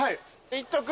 行っとく？